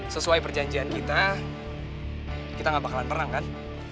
sesuai perjanjian kita kita gak bakalan perang kan